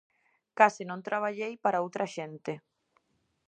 Case non traballei para outra xente.